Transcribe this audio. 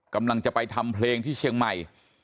กำลังจะไปทำเพลงที่เชียงใหม่